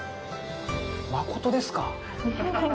まことですか？